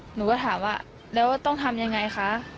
หนูก็ถามว่าแล้วต้องทำยังไงคะ